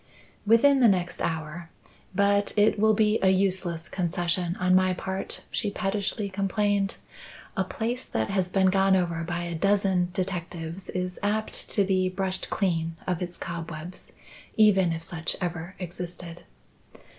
"Within the next hour. But it will be a useless concession on my part," she pettishly complained. "A place that has been gone over by a dozen detectives is apt to be brushed clean of its cobwebs, even if such ever existed."